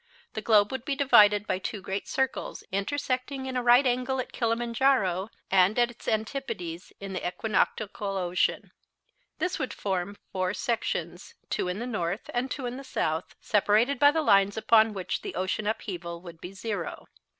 The globe would be divided by two great circles, intersecting in a right angle at Kilimanjaro, and at its antipodes in the equinoctial ocean. This would form four sections, two in the north and two in the south, separated by the lines upon which the ocean upheaval would be zero.